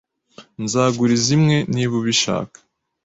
Nzaguriza imwe niba ubishaka.